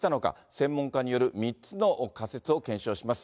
専門家による３つの仮説を検証します。